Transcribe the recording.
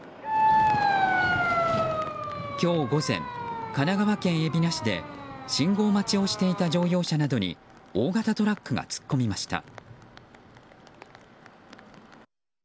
今日午前、神奈川県海老名市で信号待ちをしていた乗用車などに大型トラックが突っ込みました。